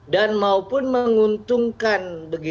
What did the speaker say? dan maupun menguntungkan